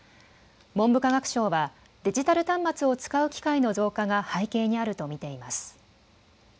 文部科学省はデジタル端末を使う機会の増加が背景にあると見ています。